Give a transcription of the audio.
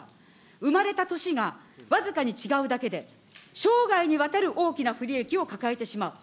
生まれた年が僅かに違うだけで、生涯にわたる大きな不利益を抱えてしまう。